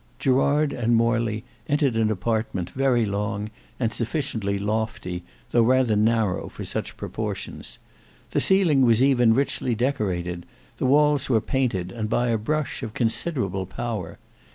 Gerard and Morley entered an apartment very long and sufficiently lofty, though rather narrow for such proportions. The ceiling was even richly decorated; the walls were painted, and by a brush of considerable power.